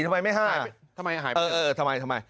ทำไมหายไปเออทำไมทำไม